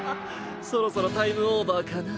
そろそろタイムオーバーかな。